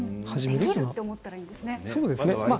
できると思えばいいんですね。